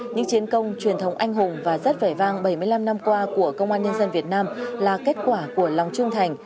những chiến công truyền thống anh hùng và rất vẻ vang bảy mươi năm năm qua của công an nhân dân việt nam là kết quả của lòng trung thành